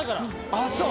あっそう。